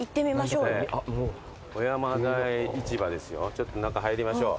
ちょっと中入りましょう。